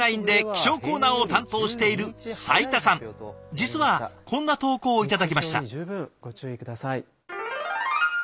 実はこんな投稿を頂きました。